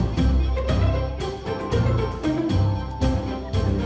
เพื่อนรับทราบ